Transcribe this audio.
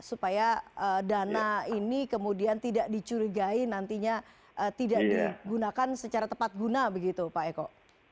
supaya dana ini kemudian tidak dicurigai nantinya tidak digunakan secara tepat guna begitu pak eko